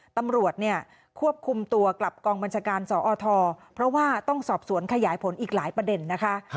ตำรวจเนี่ยควบคุมตัวกลับกองบัญชาการสอทเพราะว่าต้องสอบสวนขยายผลอีกหลายประเด็นนะคะ